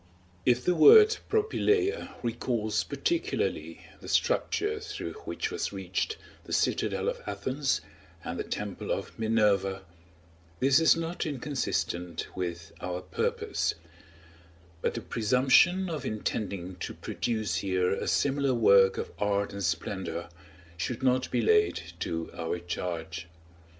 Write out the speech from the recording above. If the word Propylaea recalls particularly the structure through which was reached the citadel of Athens and the temple of Minerva, this is not inconsistent with our purpose; but the presumption of intending to produce here a similar work of art and splendor should not be laid to our charge.